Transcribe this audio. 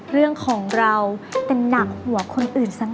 เรื่องของเราแต่หนักหัวคนอื่นสัก